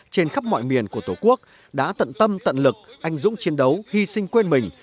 trên khắp mọi miền của tổ quốc đã tận tâm tận lực anh dũng chiến đấu hy sinh quên mình